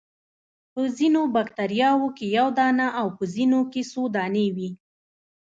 په ځینو باکتریاوو کې یو دانه او په ځینو کې څو دانې وي.